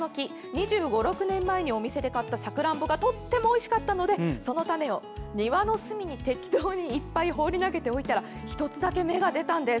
２５２６年前にお店で買ったさくらんぼがとてもおいしかったのでその種を庭の隅に適当にいっぱい放り投げておいたら１つだけ芽が出たんです。